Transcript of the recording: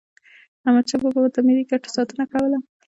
احمدشاه بابا به د ملي ګټو ساتنه کوله.